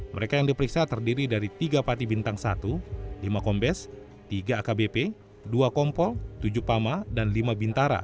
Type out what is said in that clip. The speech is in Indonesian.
mereka yang diperiksa terdiri dari tiga pati bintang satu lima kombes tiga akbp dua kompol tujuh pama dan lima bintara